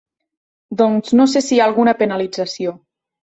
Doncs no sé si hi ha alguna penalització.